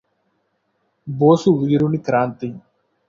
బోసు వీరుని క్రాంతి